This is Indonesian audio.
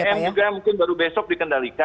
ya bbm juga mungkin baru besok dikendalikan